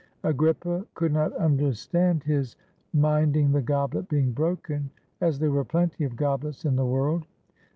Agrippa could not understand his minding the goblet being broken, as there were plenty of goblets in the world.